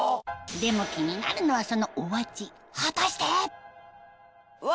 でも気になるのはそのお味うわ！